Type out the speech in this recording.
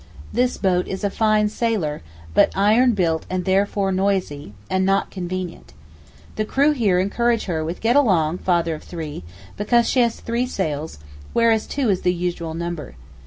This boat is a fine sailer, but iron built and therefore noisy, and not convenient. The crew encourage her with 'Get along, father of three,' because she has three sails, whereas two is the usual number.